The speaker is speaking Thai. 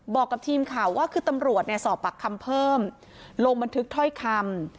บอกกับทีมข่าวว่าคือตำรวจเนี่ยสอบปากคำเพิ่มลงบันทึกถ้อยคำ